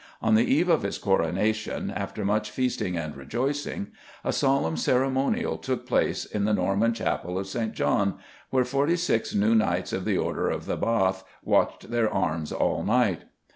On the eve of his coronation, after much feasting and rejoicing, a solemn ceremonial took place in the Norman chapel of St. John, where forty six new knights of the Order of the Bath watched their arms all night.